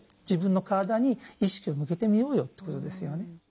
自分の体に意識を向けてみようよってことですよね。